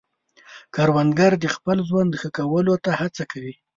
کروندګر د خپل ژوند ښه کولو ته هڅه کوي